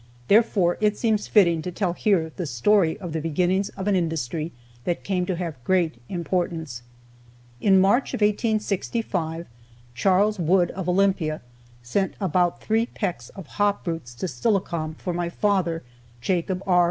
Therefore it seems fitting to tell here the story of the beginnings of an industry that came to have great importance. In March of 1865, Charles Wood of Olympia sent about three pecks of hop roots to Steilacoom for my father, Jacob R.